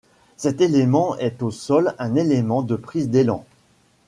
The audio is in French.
Cet élément est au sol un élément de prise d'élan.